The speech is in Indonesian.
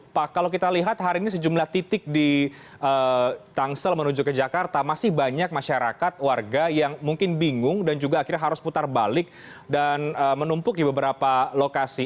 pak kalau kita lihat hari ini sejumlah titik di tangsel menuju ke jakarta masih banyak masyarakat warga yang mungkin bingung dan juga akhirnya harus putar balik dan menumpuk di beberapa lokasi